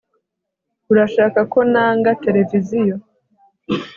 urashaka ko nanga televiziyo